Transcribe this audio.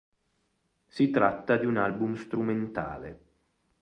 Si tratta di un album strumentale.